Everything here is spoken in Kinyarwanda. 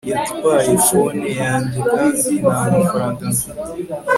yatwaye phone yanjye kandi ntamafaranga mfite